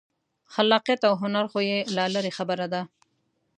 خلاقیت او هنر خو یې لا لرې خبره ده.